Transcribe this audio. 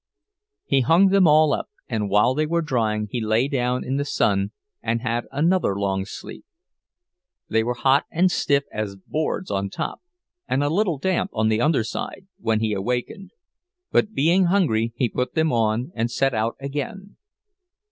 He hung them all up, and while they were drying he lay down in the sun and had another long sleep. They were hot and stiff as boards on top, and a little damp on the underside, when he awakened; but being hungry, he put them on and set out again.